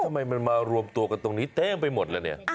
ทำไมมันมารวมตัวกันตรงนี้เต็มไปหมดละเนี่ย